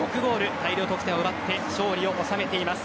大量得点を奪って勝利を収めています。